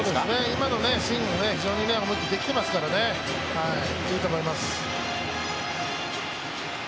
今のスイングも非常に思い切りよくできてますからねいいと思います。